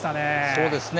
そうですね。